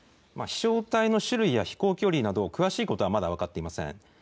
飛翔体の種類や飛行距離など、詳しいことはまだ分かっていません。